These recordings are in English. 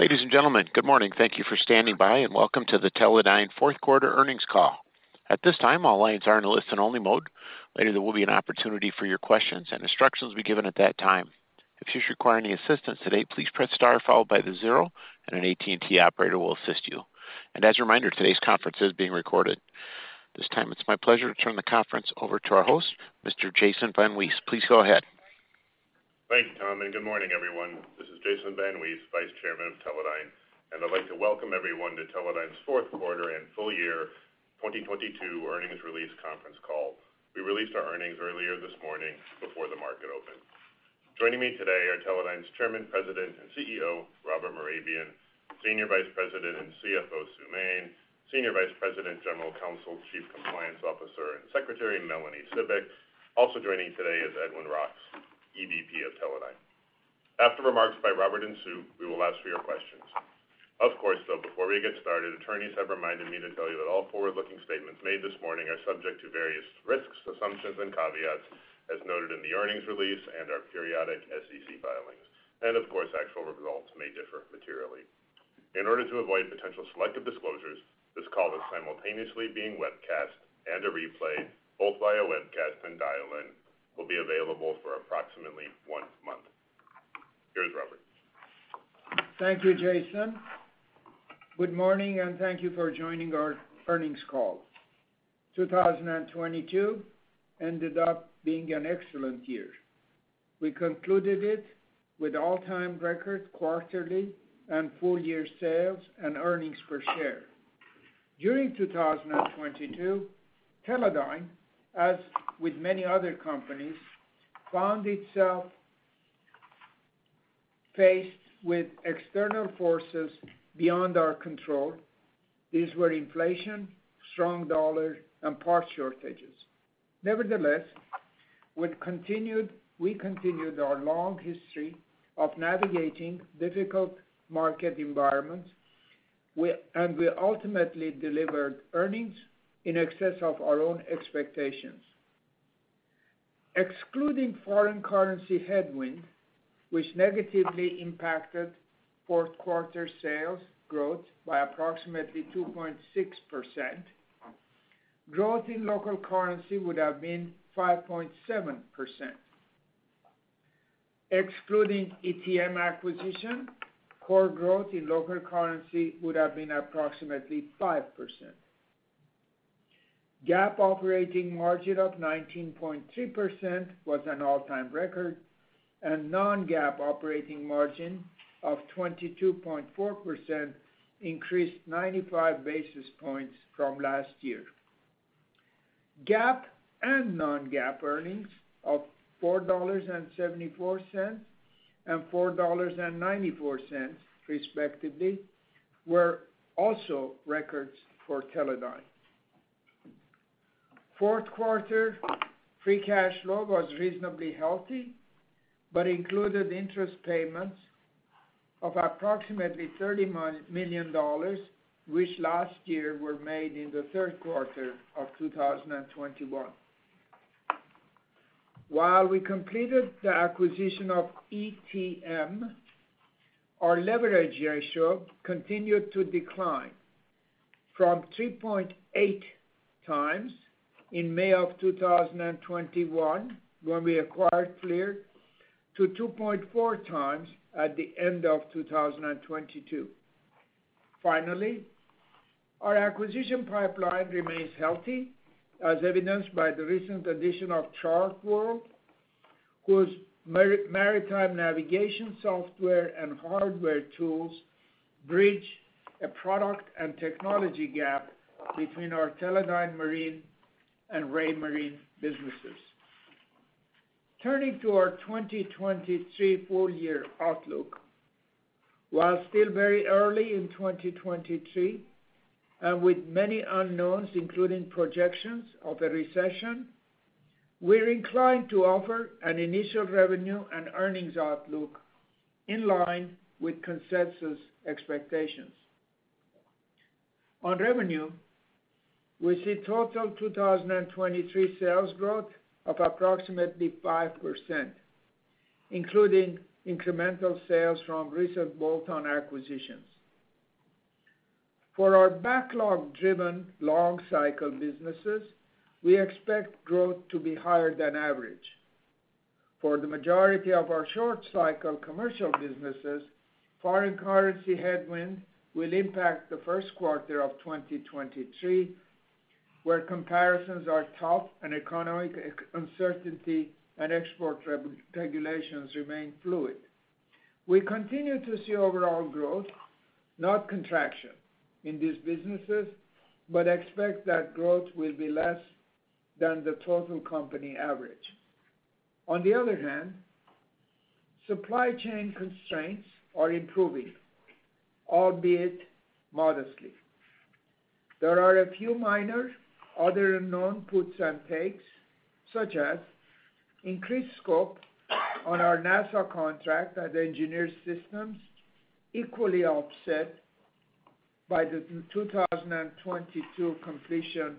Ladies and gentlemen, good morning. Thank you for standing by and welcome to the Teledyne fourth quarter earnings call. At this time, all lines are in a listen only mode. Later, there will be an opportunity for your questions and instructions will be given at that time. If you should require any assistance today, please press star followed by the 0 and an AT&T operator will assist you. As a reminder, today's conference is being recorded. This time it's my pleasure to turn the conference over to our host, Mr. JasonVan Wees. Please go ahead. Thank you, Tom, and good morning, everyone. This is Jason VanWees, Vice Chairman of Teledyne, and I'd like to welcome everyone to Teledyne's fourth quarter and full year 2022 earnings release conference call. We released our earnings earlier this morning before the market opened. Joining me today are Teledyne's Chairman, President, and CEO, Robert Mehrabian, Senior Vice President and CFO, Sue Yap, Senior Vice President, General Counsel, Chief Compliance Officer, and Secretary, Melanie S. Cibik. Also joining today is Edwin Roks, Executive VP of Teledyne. After remarks by Robert and Sue, we will ask for your questions. Of course, though, before we get started, attorneys have reminded me to tell you that all forward-looking statements made this morning are subject to various risks, assumptions, and caveats as noted in the earnings release and our periodic SEC filings. Of course, actual results may differ materially. In order to avoid potential selective disclosures, this call is simultaneously being webcast and a replay, both via webcast and dial-in, will be available for approximately one month. Here's Robert. Thank you, Jason. Good morning, thank you for joining our earnings call. 2022 ended up being an excellent year. We concluded it with all-time record quarterly and full year sales and earnings per share. During 2022, Teledyne, as with many other companies, found itself faced with external forces beyond our control. These were inflation, strong dollar, and parts shortages. Nevertheless, we continued our long history of navigating difficult market environments, and we ultimately delivered earnings in excess of our own expectations. Excluding foreign currency headwind, which negatively impacted fourth quarter sales growth by approximately 2.6%, growth in local currency would have been 5.7%. Excluding ETM acquisition, core growth in local currency would have been approximately 5%. GAAP operating margin of 19.3% was an all-time record. Non-GAAP operating margin of 22.4% increased 95 basis points from last year. GAAP and non-GAAP earnings of $4.74 and $4.94 respectively, were also records for Teledyne. Fourth quarter free cash flow was reasonably healthy. Included interest payments of approximately $30 million, which last year were made in the third quarter of 2021. While we completed the acquisition of ETM, our leverage ratio continued to decline from 3.8x in May of 2021, when we acquired FLIR, to 2.4x at the end of 2022. Finally, our acquisition pipeline remains healthy, as evidenced by the recent addition of ChartWorld, whose maritime navigation software and hardware tools bridge a product and technology gap between our Teledyne Marine and Raymarine businesses. Turning to our 2023 full year outlook. While still very early in 2023, and with many unknowns, including projections of a recession, we're inclined to offer an initial revenue and earnings outlook in line with consensus expectations. On revenue, we see total 2023 sales growth of approximately 5%, including incremental sales from recent bolt-on acquisitions. For our backlog-driven long cycle businesses, we expect growth to be higher than average. For the majority of our short cycle commercial businesses, foreign currency headwind will impact the first quarter of 2023, where comparisons are tough and economic uncertainty and export regulations remain fluid. We continue to see overall growth, not contraction in these businesses, but expect that growth will be less than the total company average. On the other hand, supply chain constraints are improving, albeit modestly. There are a few minor other known puts and takes, such as increased scope on our NASA contract at Engineered Systems, equally offset by the 2022 completion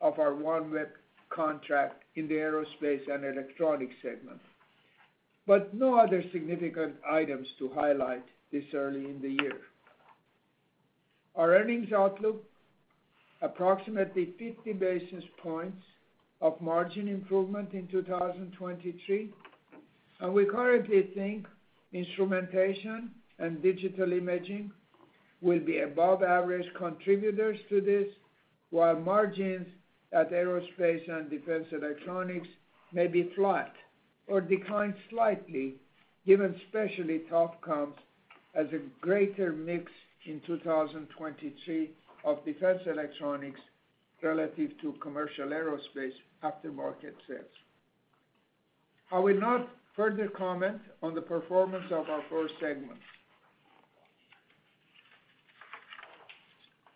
of our OneWeb contract in the Aerospace and Defense Electronics segment, but no other significant items to highlight this early in the year. Our earnings outlook, approximately 50 basis points of margin improvement in 2023, and we currently think Instrumentation and Digital Imaging will be above average contributors to this, while margins at Aerospace and Defense Electronics may be flat or decline slightly given especially tough comps as a greater mix in 2023 of defense electronics relative to commercial aerospace aftermarket sales. I will not further comment on the performance of our core segments.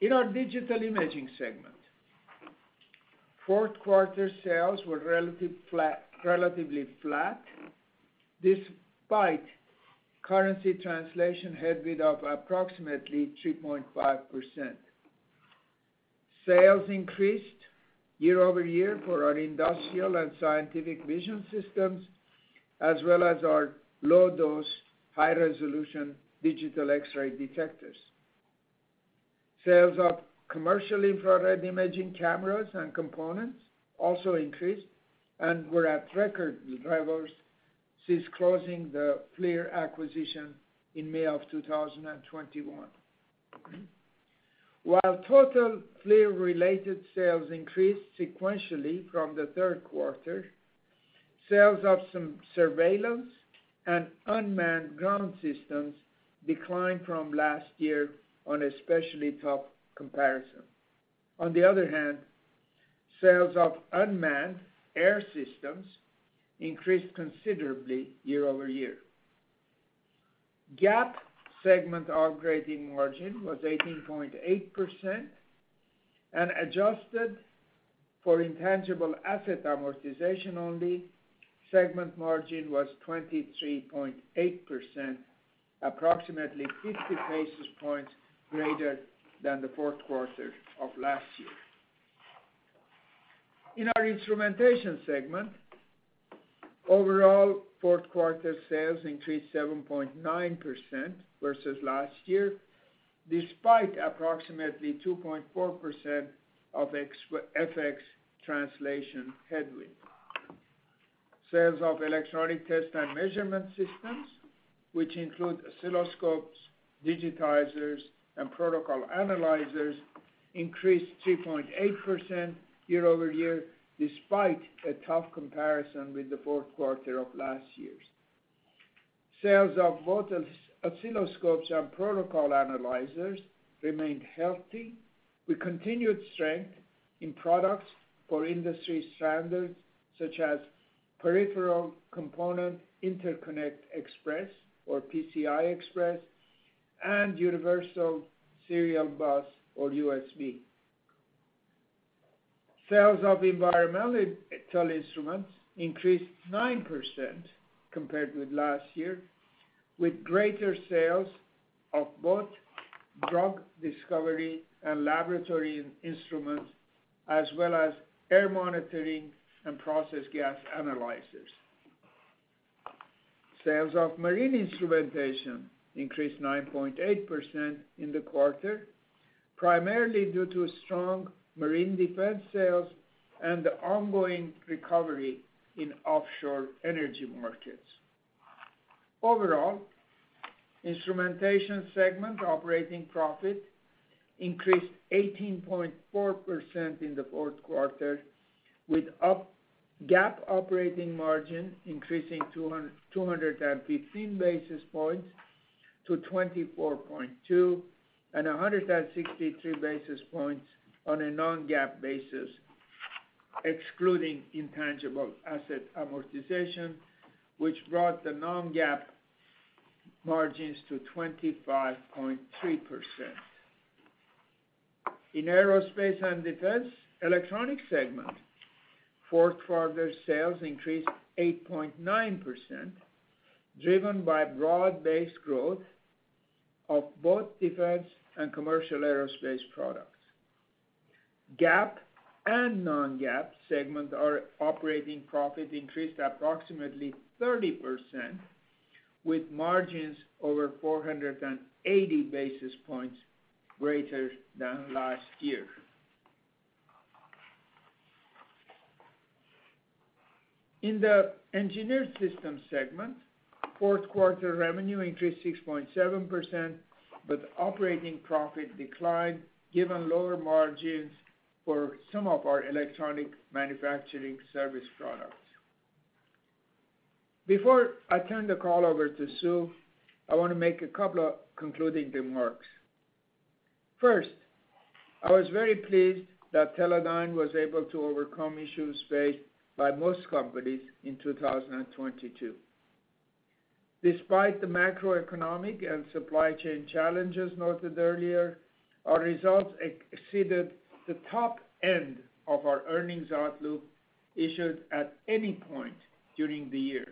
In our Digital Imaging segment, fourth quarter sales were relatively flat despite currency translation headwind of approximately 3.5%. Sales increased year-over-year for our industrial and scientific vision systems, as well as our low dose, high resolution digital X-ray detectors. Sales of commercial infrared imaging cameras and components also increased and were at record levels since closing the FLIR acquisition in May of 2021. While total FLIR-related sales increased sequentially from the third quarter, sales of some surveillance and unmanned ground systems declined from last year on a especially tough comparison. On the other hand, sales of unmanned air systems increased considerably year-over-year. GAAP segment operating margin was 18.8% and adjusted for intangible asset amortization only, segment margin was 23.8%, approximately 50 basis points greater than the fourth quarter of last year. In our Instrumentation segment, overall fourth quarter sales increased 7.9% versus last year, despite approximately 2.4% of FX translation headwind. Sales of electronic test and measurement systems, which include oscilloscopes, digitizers, and protocol analyzers, increased 3.8% year-over-year, despite a tough comparison with the fourth quarter of last year's. Sales of both oscilloscopes and protocol analyzers remained healthy with continued strength in products for industry standards such as Peripheral Component Interconnect Express or PCI Express and Universal Serial Bus or USB. Sales of environmental instruments increased 9% compared with last year, with greater sales of both drug discovery and laboratory instruments as well as air monitoring and process gas analyzers. Sales of marine instrumentation increased 9.8% in the quarter, primarily due to strong marine defense sales and the ongoing recovery in offshore energy markets. Overall, Instrumentation segment operating profit increased 18.4% in the fourth quarter, with GAAP operating margin increasing 215 basis points to 24.2% and 163 basis points on a non-GAAP basis, excluding intangible asset amortization, which brought the non-GAAP margins to 25.3%. In Aerospace and Defense Electronics segment, fourth quarter sales increased 8.9%, driven by broad-based growth of both defense and commercial aerospace products. GAAP and non-GAAP segment our operating profit increased approximately 30% with margins over 480 basis points greater than last year. In the Engineered Systems segment, fourth quarter revenue increased 6.7%, but operating profit declined given lower margins for some of our electronic manufacturing service products. Before I turn the call over to Sue, I want to make a couple of concluding remarks. First, I was very pleased that Teledyne was able to overcome issues faced by most companies in 2022. Despite the macroeconomic and supply chain challenges noted earlier, our results exceeded the top end of our earnings outlook issued at any point during the year.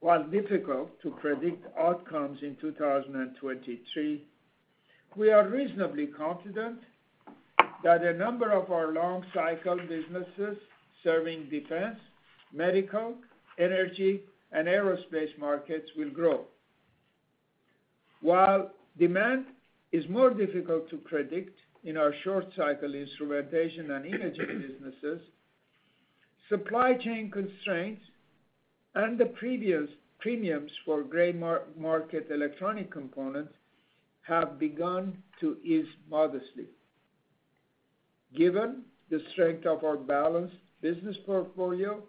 While difficult to predict outcomes in 2023, we are reasonably confident that a number of our long cycle businesses serving defense, medical, energy, and aerospace markets will grow. While demand is more difficult to predict in our short cycle Instrumentation and imaging businesses, supply chain constraints and the premiums for gray market electronic components have begun to ease modestly. Given the strength of our balanced business portfolio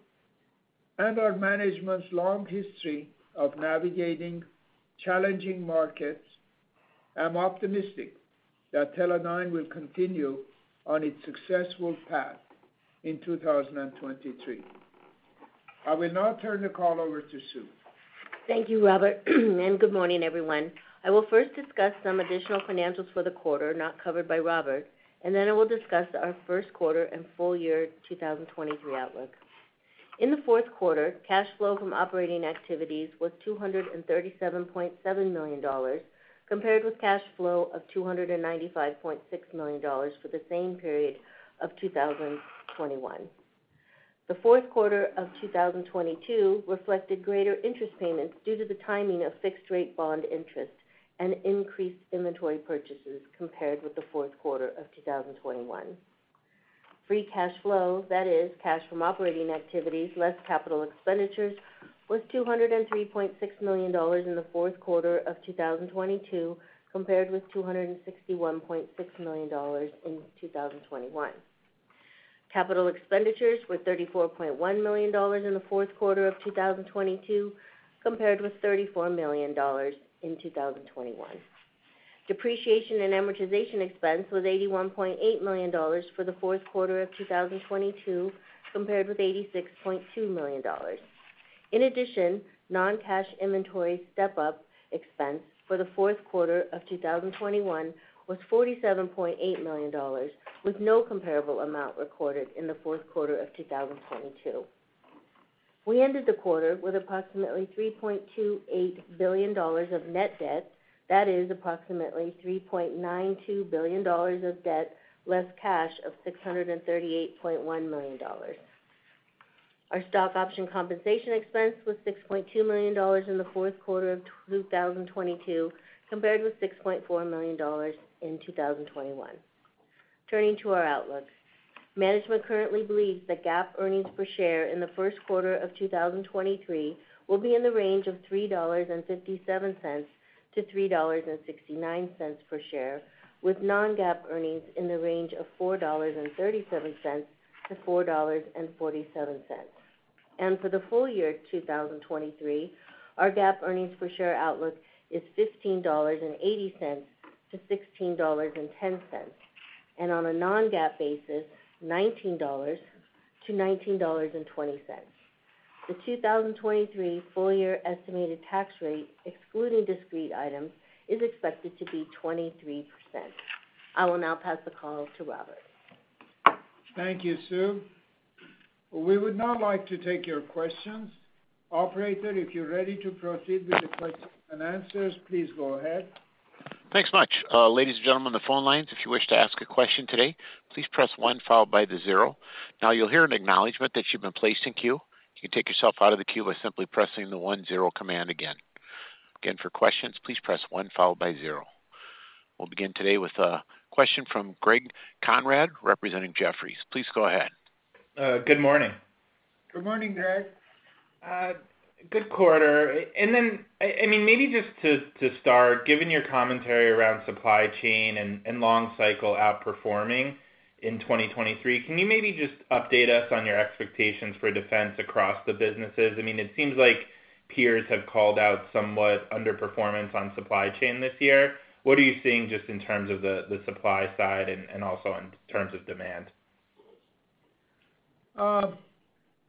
and our management's long history of navigating challenging markets, I'm optimistic that Teledyne will continue on its successful path in 2023. I will now turn the call over to Sue. Thank you, Robert. Good morning, everyone. I will first discuss some additional financials for the quarter not covered by Robert, and then I will discuss our first quarter and full year 2023 outlook. In the fourth quarter, cash flow from operating activities was $237.7 million, compared with cash flow of $295.6 million for the same period of 2021. The fourth quarter of 2022 reflected greater interest payments due to the timing of fixed rate bond interest and increased inventory purchases compared with the fourth quarter of 2021. Free cash flow, that is cash from operating activities less capital expenditures, was $203.6 million in the fourth quarter of 2022, compared with $261.6 million in 2021. Capital expenditures were $34.1 million in the fourth quarter of 2022, compared with $34 million in 2021. Depreciation and amortization expense was $81.8 million for the fourth quarter of 2022, compared with $86.2 million. In addition, non-cash inventory step-up expense for the fourth quarter of 2021 was $47.8 million, with no comparable amount recorded in the fourth quarter of 2022. We ended the quarter with approximately $3.28 billion of net debt. That is approximately $3.92 billion of debt, less cash of $638.1 million. Our stock option compensation expense was $6.2 million in the fourth quarter of 2022, compared with $6.4 million in 2021. Turning to our outlook. Management currently believes that GAAP earnings per share in the first quarter of 2023 will be in the range of $3.57-$3.69 per share, with non-GAAP earnings in the range of $4.37-$4.47. For the full year 2023, our GAAP earnings per share outlook is $15.80-$16.10, and on a non-GAAP basis, $19.00-$19.20. The 2023 full year estimated tax rate, excluding discrete items, is expected to be 23%. I will now pass the call to Robert. Thank you, Sue. We would now like to take your questions. Operator, if you're ready to proceed with the question and answers, please go ahead. Thanks much. Ladies and gentlemen on the phone lines, if you wish to ask a question today, please press 1 followed by the 0. Now, you'll hear an acknowledgment that you've been placed in queue. You can take yourself out of the queue by simply pressing the 1 0 command again. Again, for questions, please press 1 followed by 0. We'll begin today with a question from Greg Konrad, representing Jefferies. Please go ahead. Good morning. Good morning, Greg. Good quarter. I mean, maybe just to start, given your commentary around supply chain and long cycle outperforming in 2023, can you maybe just update us on your expectations for defense across the businesses? I mean, it seems like peers have called out somewhat underperformance on supply chain this year. What are you seeing just in terms of the supply side and also in terms of demand?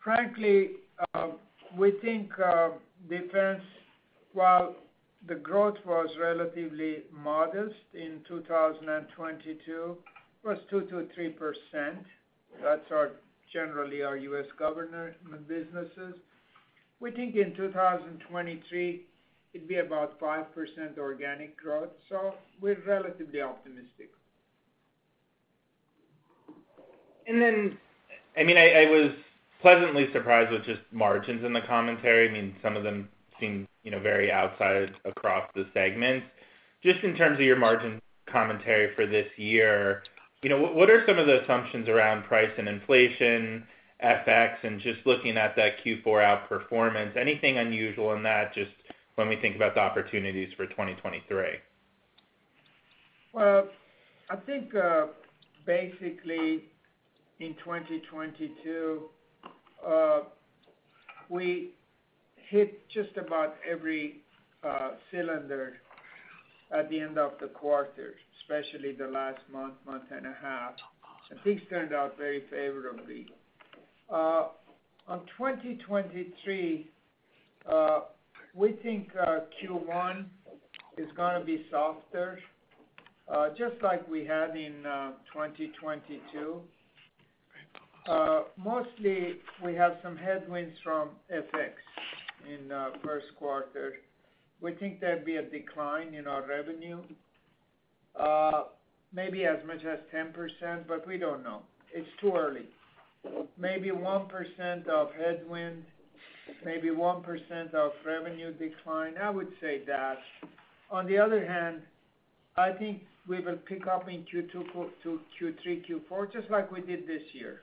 Frankly, we think defense, while the growth was relatively modest in 2022, it was 2%-3%. Generally our U.S. government businesses. We think in 2023, it'd be about 5% organic growth, so we're relatively optimistic. I mean, I was pleasantly surprised with just margins in the commentary. I mean, some of them seemed, you know, very outside across the segments. Just in terms of your margin commentary for this year, you know, what are some of the assumptions around price and inflation, FX, and just looking at that Q4 outperformance, anything unusual in that, just when we think about the opportunities for 2023? Well, I think, basically in 2022, we hit just about every cylinder at the end of the quarter, especially the last month and a half. Things turned out very favorably. On 2023, we think Q1 is gonna be softer, just like we had in 2022. Mostly we have some headwinds from FX in first quarter. We think there'd be a decline in our revenue, maybe as much as 10%, but we don't know. It's too early. Maybe 1% of headwind, maybe 1% of revenue decline, I would say that. On the other hand, I think we will pick up in Q3, Q4, just like we did this year.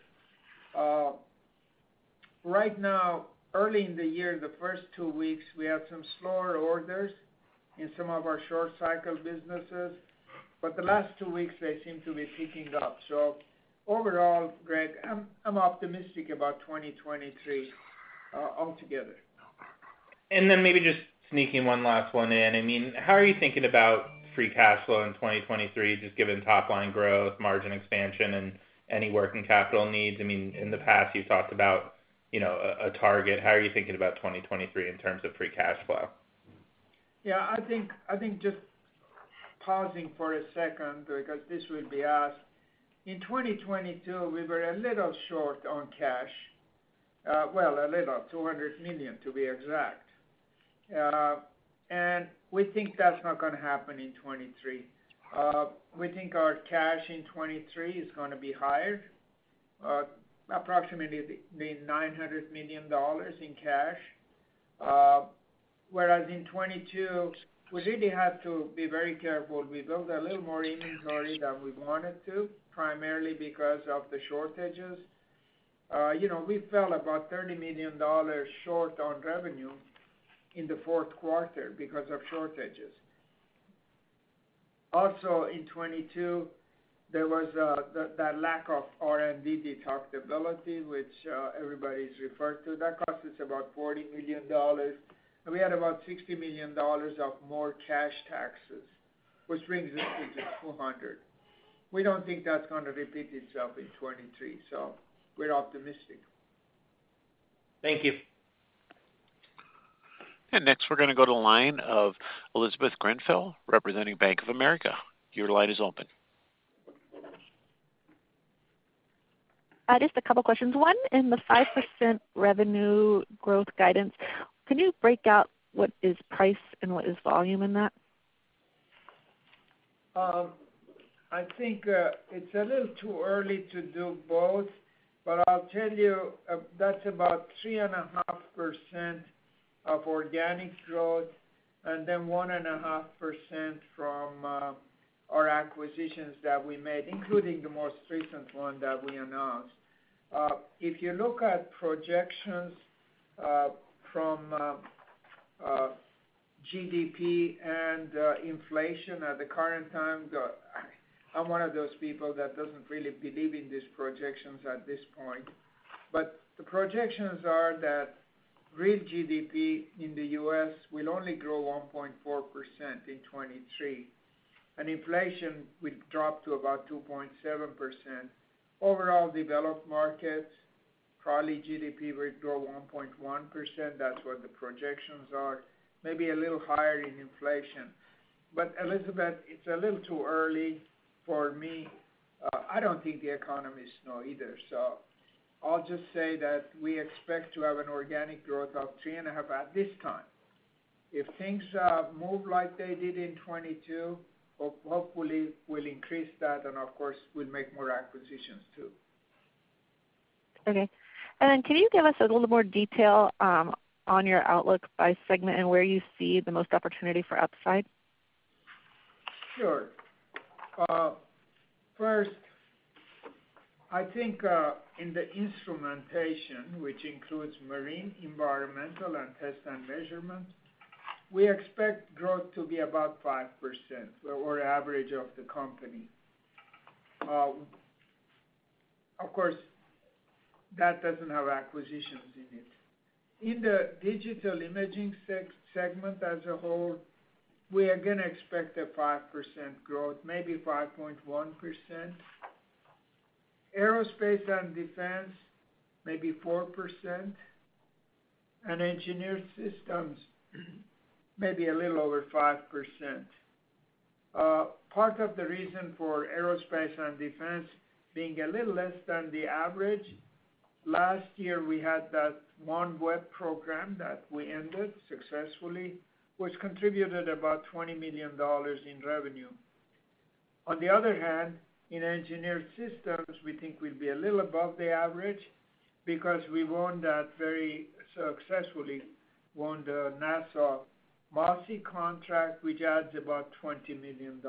Right now, early in the year, the two weeks, we have some slower orders in some of our short cycle businesses. The last two weeks they seem to be picking up. Overall, Greg, I'm optimistic about 2023 altogether. Maybe just sneaking one last one in. I mean, how are you thinking about free cash flow in 2023, just given top line growth, margin expansion, and any working capital needs? I mean, in the past you've talked about, you know, a target. How are you thinking about 2023 in terms of free cash flow? Yeah, I think just pausing for a second because this will be asked. In 2022, we were a little short on cash. Well, a little, $200 million to be exact. We think that's not gonna happen in 2023. We think our cash in 2023 is gonna be higher, approximately be $900 million in cash. Whereas in 2022, we really had to be very careful. We built a little more inventory than we wanted to, primarily because of the shortages. You know, we fell about $30 million short on revenue in the fourth quarter because of shortages. Also in 2022, there was that lack of R&D deductibility, which everybody's referred to. That cost us about $40 million, we had about $60 million of more cash taxes, which brings us into $200 million. We don't think that's gonna repeat itself in 2023, so we're optimistic. Thank you. next we're going to go to the line of Elizabeth Grenke representing Bank of America. Your line is open. I just a couple questions. One, in the 5% revenue growth guidance, can you break out what is price and what is volume in that? I think it's a little too early to do both, but I'll tell you, that's about 3.5% of organic growth and then 1.5% from our acquisitions that we made, including the most recent one that we announced. If you look at projections from GDP and inflation at the current time, I'm one of those people that doesn't really believe in these projections at this point. The projections are that real GDP in the U.S. will only grow 1.4% in 2023, and inflation will drop to about 2.7%. Overall developed markets, probably GDP will grow 1.1%. That's what the projections are. Maybe a little higher in inflation. Elizabeth Grenke, it's a little too early for me. I don't think the economists know either, so I'll just say that we expect to have an organic growth of 3.5% at this time. If things move like they did in 2022, hopefully we'll increase that and of course we'll make more acquisitions too. Okay. Can you give us a little more detail on your outlook by segment and where you see the most opportunity for upside? Sure. First, I think, in the Instrumentation, which includes marine, environmental, and test and measurement, we expect growth to be about 5% or average of the company. Of course, that doesn't have acquisitions in it. In the Digital Imaging segment as a whole, we are gonna expect a 5% growth, maybe 5.1%. Aerospace and Defense, maybe 4%. Engineered Systems, maybe a little over 5%. Part of the reason for Aerospace and Defense being a little less than the average, last year we had that OneWeb program that we ended successfully, which contributed about $20 million in revenue. On the other hand, in Engineered Systems, we think we'd be a little above the average because we won that very successfully, won the NASA MOSSI contract, which adds about $20 million.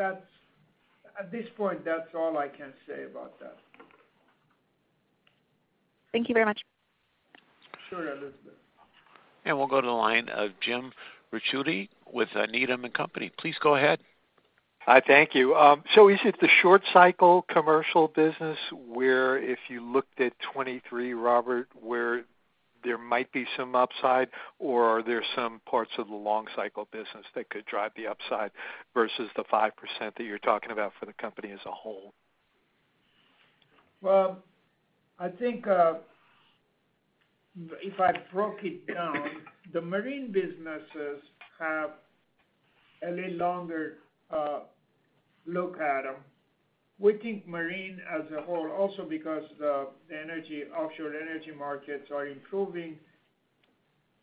At this point, that's all I can say about that. Thank you very much. Sure, Elizabeth. We'll go to the line of Jim Ricchiuti with Needham & Company. Please go ahead. Hi, thank you. Is it the short cycle commercial business where if you looked at 2023, Robert, where there might be some upside, or are there some parts of the long cycle business that could drive the upside versus the 5% that you're talking about for the company as a whole? I think if I broke it down, the marine businesses have a little longer look at them. We think marine as a whole, also because the energy, offshore energy markets are improving,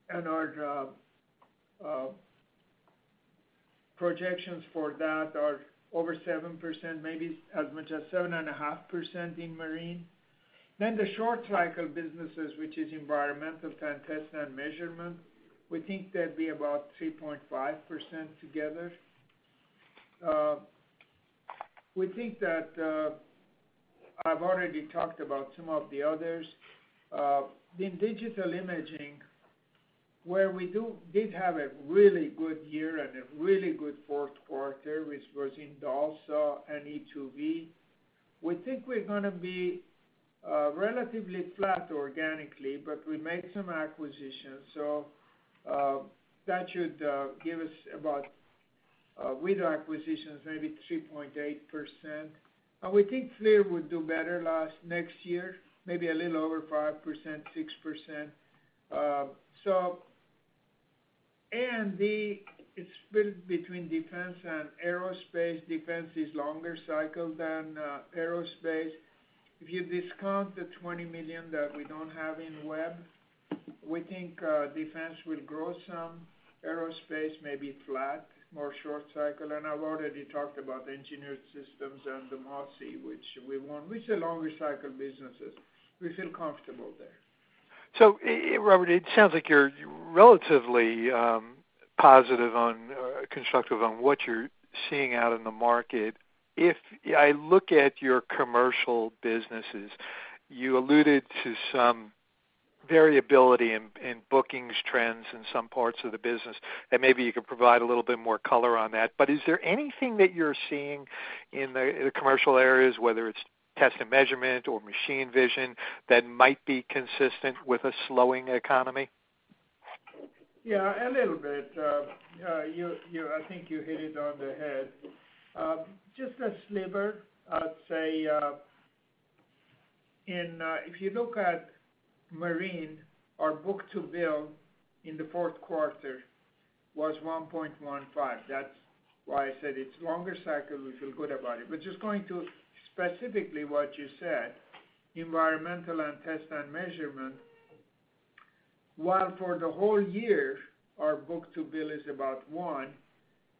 and our projections for that are over 7%, maybe as much as 7.5% in marine. The short cycle businesses, which is environmental test and measurement, we think that'd be about 3.5% together. We think that I've already talked about some of the others. In Digital Imaging, where we did have a really good year and a really good fourth quarter, which was in DALSA and e2v, we think we're gonna be relatively flat organically, but we made some acquisitions, that should give us about with acquisitions, maybe 3.8%. We think FLIR would do better next year, maybe a little over 5%, 6%. It's split between defense and aerospace. Defense is longer cycle than aerospace. If you discount the $20 million that we don't have in OneWeb, we think defense will grow some. Aerospace may be flat, more short cycle. I've already talked about Engineered Systems and the MOSSI, which we want, which are longer cycle businesses. We feel comfortable there. Robert, it sounds like you're relatively positive on or constructive on what you're seeing out in the market. If I look at your commercial businesses, you alluded to some variability in bookings trends in some parts of the business, and maybe you could provide a little bit more color on that. Is there anything that you're seeing in the commercial areas, whether it's test and measurement or machine vision, that might be consistent with a slowing economy? Yeah, a little bit. I think you hit it on the head. Just a sliver, I'd say, in, if you look at Teledyne Marine, our book-to-bill in the fourth quarter was 1.15. That's why I said it's longer cycle, we feel good about it. Just going to specifically what you said, environmental and test and measurement, while for the whole year, our book-to-bill is about one,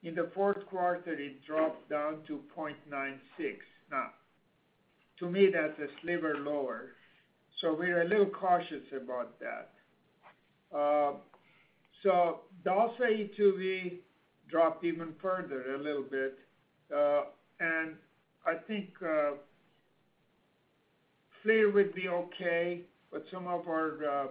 in the fourth quarter, it dropped down to 0.96. To me, that's a sliver lower, so we're a little cautious about that. DALSA E2V dropped even further a little bit. I think FLIR would be okay, but some of our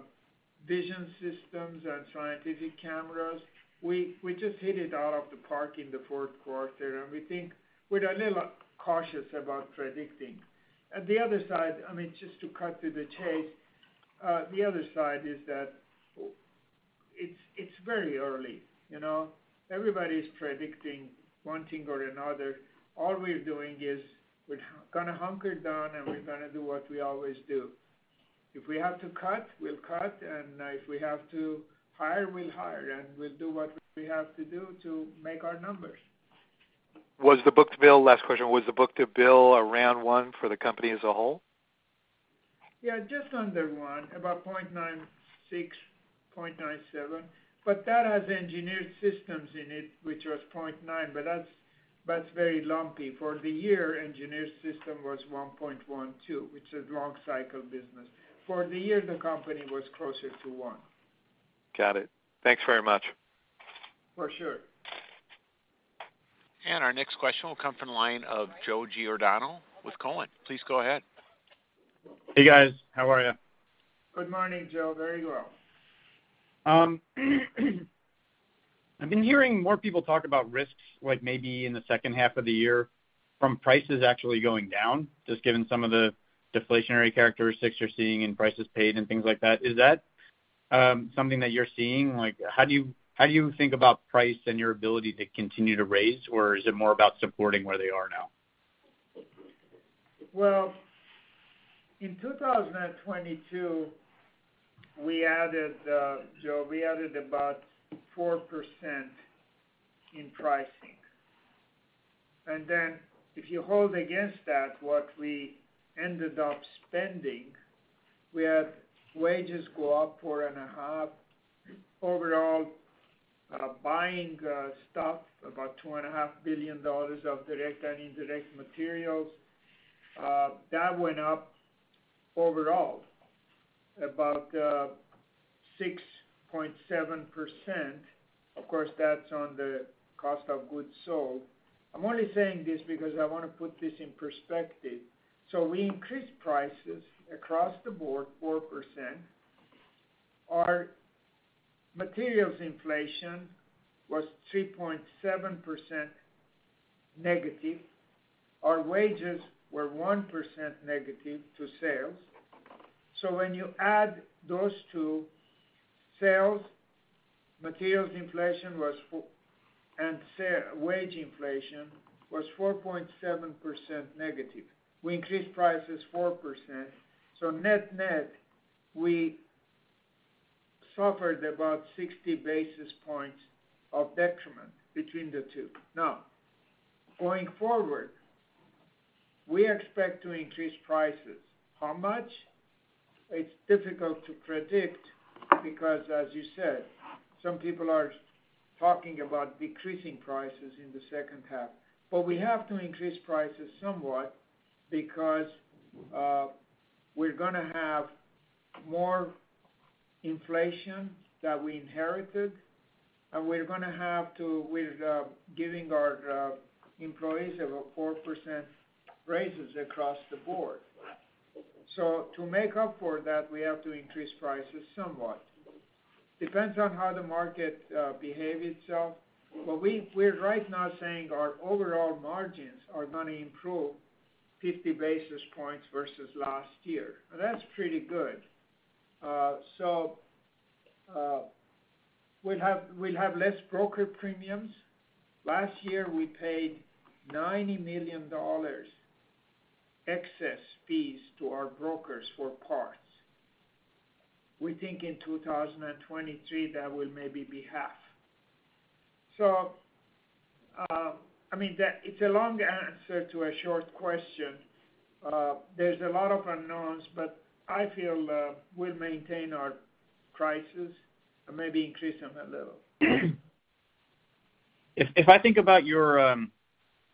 vision systems and scientific cameras, we just hit it out of the park in the fourth quarter, and we think we're a little cautious about predicting. At the other side, I mean, just to cut to the chase, the other side is that it's very early, you know? Everybody's predicting one thing or another. All we're doing is we're gonna hunker down, and we're gonna do what we always do. If we have to cut, we'll cut, and if we have to hire, we'll hire, and we'll do what we have to do to make our numbers. Last question. Was the book-to-bill around 1 for the company as a whole? Yeah, just under one, about 0.96, 0.97. That has Engineered Systems in it, which was 0.9, but that's very lumpy. For the year, Engineered Systems was 1.12, which is long cycle business. For the year, the company was closer to one. Got it. Thanks very much. For sure. Our next question will come from the line of Joe Giordano with Cowen. Please go ahead. Hey, guys. How are you? Good morning, Joe. Very well. I've been hearing more people talk about risks, like maybe in the second half of the year, from prices actually going down, just given some of the deflationary characteristics you're seeing in prices paid and things like that. Is that something that you're seeing? Like, how do you think about price and your ability to continue to raise, or is it more about supporting where they are now? In 2022, we added, Joe, we added about 4% in pricing. If you hold against that, what we ended up spending, we had wages go up 4.5. Overall, buying stuff, about $2.5 billion of direct and indirect materials, that went up overall, about 6.7%. That's on the cost of goods sold. I'm only saying this because I wanna put this in perspective. We increased prices across the board 4%. Our materials inflation was 3.7% negative. Our wages were 1% negative to sales. When you add those two-Sales, materials inflation was and wage inflation was 4.7% negative. We increased prices 4%. Net-net, we suffered about 60 basis points of detriment between the two. Going forward, we expect to increase prices. How much? It's difficult to predict because, as you said, some people are talking about decreasing prices in the second half. We have to increase prices somewhat because we're gonna have more inflation that we inherited, and we're gonna have to with giving our employees about 4% raises across the board. To make up for that, we have to increase prices somewhat. Depends on how the market behave itself. We're right now saying our overall margins are gonna improve 50 basis points versus last year. That's pretty good. We'll have less broker premiums. Last year, we paid $90 million excess fees to our brokers for parts. We think in 2023, that will maybe be half. I mean, It's a long answer to a short question. There's a lot of unknowns, but I feel, we'll maintain our prices or maybe increase them a little. If I think about your,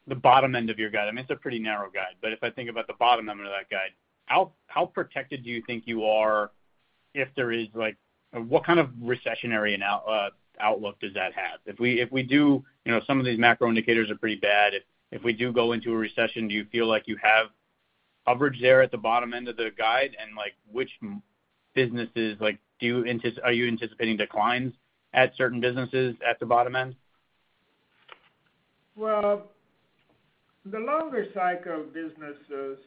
the bottom end of your guide, I mean, it's a pretty narrow guide, but if I think about the bottom end of that guide, how protected do you think you are if there is like? What kind of recessionary outlook does that have? If we do, you know, some of these macro indicators are pretty bad. If we do go into a recession, do you feel like you have coverage there at the bottom end of the guide, and, like, which businesses, like, do you Are you anticipating declines at certain businesses at the bottom end? Well, the longer cycle businesses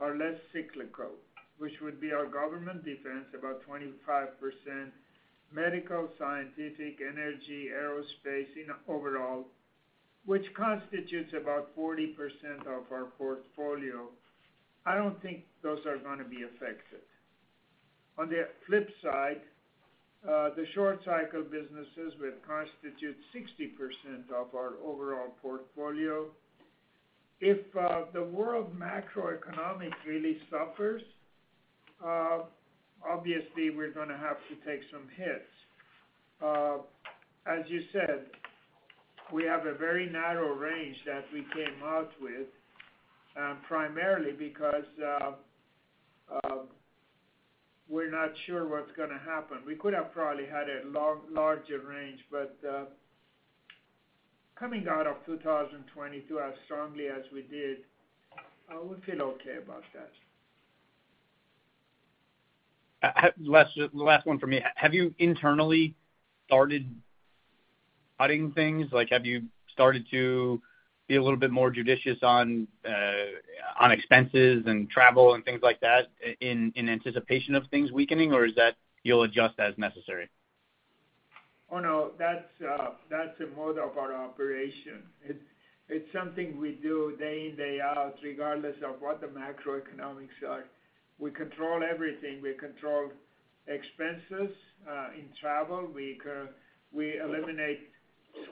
are less cyclical, which would be our government defense, about 25% medical, scientific, energy, aerospace in overall, which constitutes about 40% of our portfolio. I don't think those are gonna be affected. On the flip side, the short cycle businesses would constitute 60% of our overall portfolio. If the world macroeconomy really suffers, obviously, we're gonna have to take some hits. As you said, we have a very narrow range that we came out with, primarily because we're not sure what's gonna happen. We could have probably had a larger range, but coming out of 2022 as strongly as we did, we feel okay about that. Last one for me. Have you internally started cutting things? Like, have you started to be a little bit more judicious on expenses and travel and things like that in anticipation of things weakening, or is that you'll adjust as necessary? Oh, no, that's the mode of our operation. It's something we do day in, day out, regardless of what the macroeconomics are. We control everything. We control expenses, in travel. We eliminate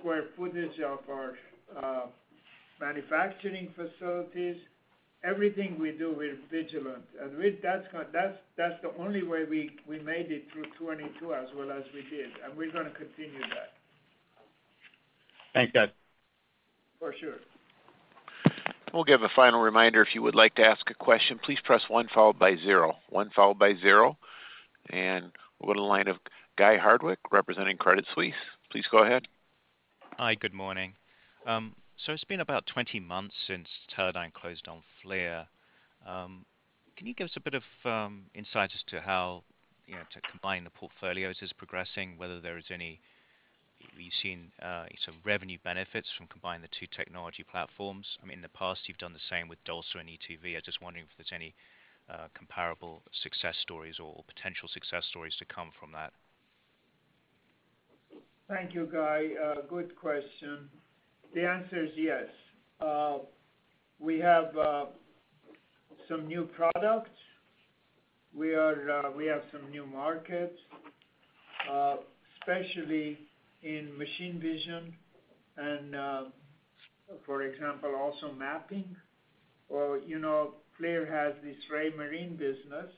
square footage of our manufacturing facilities. Everything we do, we're vigilant. With that's the only way we made it through 2022 as well as we did, and we're gonna continue that. Thanks, Robert. For sure. We'll give a final reminder. If you would like to ask a question, please press one followed by zero. One followed by zero. We'll go to the line of Guy Hardwick representing Credit Suisse. Please go ahead. Hi, good morning. It's been about 20 months since Teledyne closed on FLIR. Can you give us a bit of insight as to how, you know, to combine the portfolios is progressing, whether there is any you've seen some revenue benefits from combining the two technology platforms? I mean, in the past, you've done the same with DALSA and e2v. I'm just wondering if there's any comparable success stories or potential success stories to come from that? Thank you, Guy. Good question. The answer is yes. We have some new products. We have some new markets, especially in machine vision and, for example, also mapping. You know, FLIR has this Raymarine business,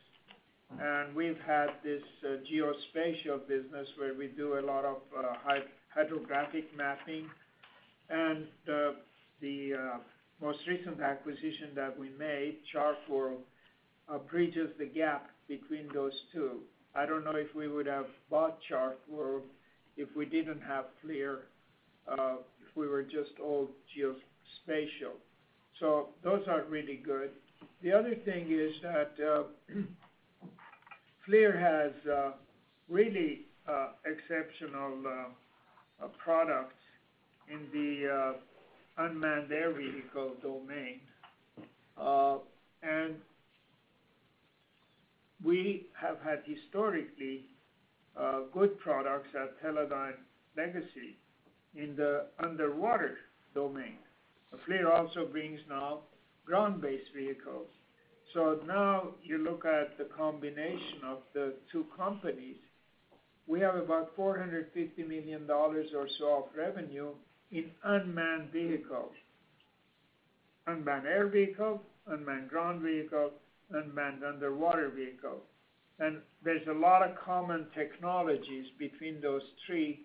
and we've had this geospatial business where we do a lot of hydrographic mapping. The most recent acquisition that we made, ChartWorld, bridges the gap between those two. I don't know if we would have bought ChartWorld if we didn't have FLIR, if we were just all geospatial. Those are really good. The other thing is that FLIR has really exceptional products in the unmanned aerial vehicle domain. We have had historically good products at Teledyne Legacy in the underwater domain. FLIR also brings now ground-based vehicles. Now you look at the combination of the two companies. We have about $450 million or so of revenue in unmanned vehicles. Unmanned air vehicles, unmanned ground vehicles, unmanned underwater vehicles. There's a lot of common technologies between those three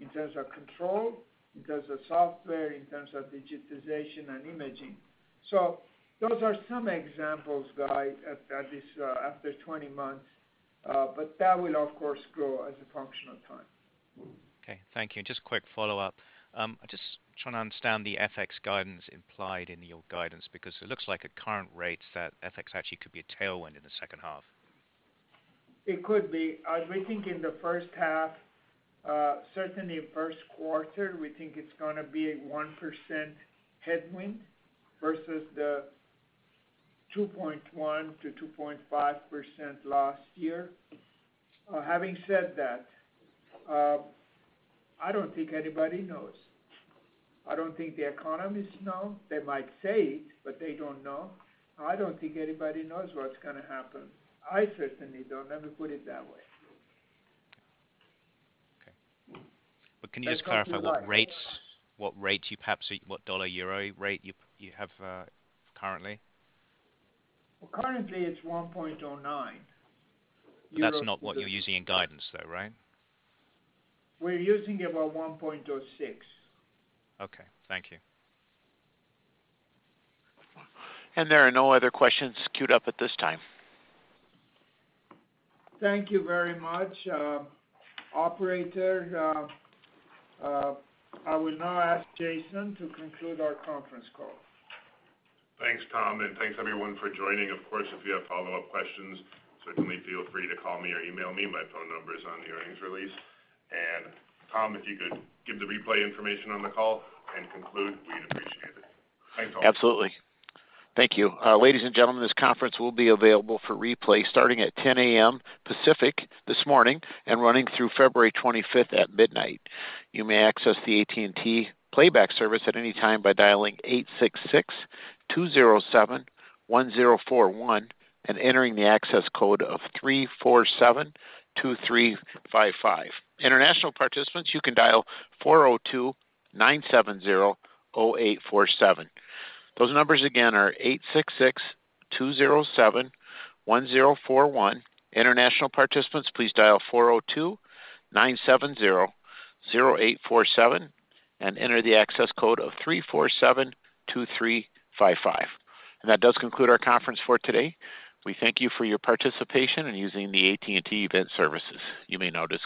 in terms of control, in terms of software, in terms of digitization and imaging. Those are some examples, guys, at least after 20 months, but that will of course grow as a function of time. Okay. Thank you. Just quick follow-up. I'm just trying to understand the FX guidance implied in your guidance because it looks like at current rates that FX actually could be a tailwind in the second half. It could be. We think in the first half, certainly in first quarter, we think it's gonna be a 1% headwind versus the 2.1%-2.5% last year. Having said that, I don't think anybody knows. I don't think the economists know. They might say it, but they don't know. I don't think anybody knows what's gonna happen. I certainly don't. Let me put it that way. Okay. Can you just clarify what rates you perhaps, what dollar Euro rate you have currently? Well, currently it's 1.09. Euro- That's not what you're using in guidance though, right? We're using about 1.06. Okay. Thank you. There are no other questions queued up at this time. Thank you very much. Operator, I will now ask Jason to conclude our conference call. Thanks, Tom, and thanks everyone for joining. Of course, if you have follow-up questions, certainly feel free to call me or email me. My phone number is on the earnings release. Tom, if you could give the replay information on the call and conclude, we'd appreciate it. Thanks all. Absolutely. Thank you. Ladies and gentlemen, this conference will be available for replay starting at 10:00 A.M. Pacific this morning and running through February 25th at midnight. You may access the AT&T playback service at any time by dialing 866-207-1041 and entering the access code of 347-2355. International participants, you can dial 402-970-0847. Those numbers again are 866-207-1041. International participants, please dial 402-970-0847 and enter the access code of 347-2355. That does conclude our conference for today. We thank you for your participation in using the AT&T event services. You may now disconnect.